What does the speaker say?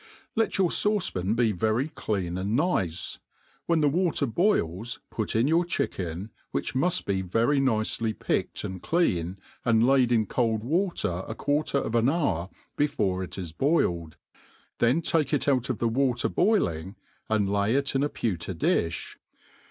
•\ 4 LET your fauce«pan be very clean and nice; when the water boils put in your chicken, which muft be very nicely picked and clean, and laid in cold water a quarter of an hour before it is boiled ; then take it out of the water boiling, and lay it in a pewter difh.